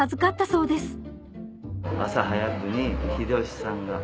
そうですね。